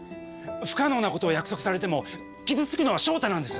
不可能なことを約束されても傷つくのは翔太なんです！